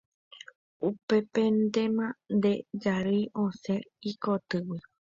Upépentema nde jarýi osẽ ikotýgui.